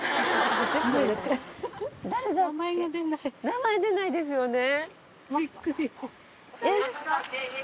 名前出ないですよね。